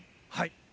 はい。